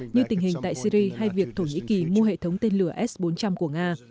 như tình hình tại syri hay việc thổ nhĩ kỳ mua hệ thống tên lửa s bốn trăm linh của nga